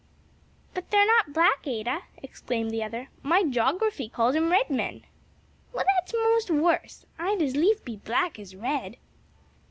"But they're not black, Ada," exclaimed the other, "my g'ography calls 'em red men." "Well, that's 'most worse, I'd as lief be black as red."